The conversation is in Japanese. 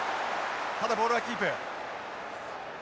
ただボールはキープ。